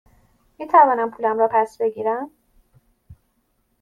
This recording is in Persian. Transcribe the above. می توانم پولم را پس بگیرم؟